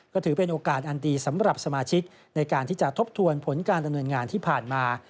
ก็ถือเป็นโอกาสอันดีสำหรับสมาชิกในการที่จะทบทวนผลการดำเนินงานที่ผ่านมา